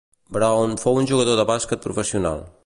Brown fou un jugador de bàsquet professional.